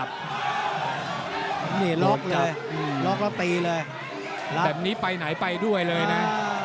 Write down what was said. แบบนี้ไปไหนไปเลยนะ